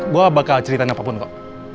gue bakal ceritain apapun kok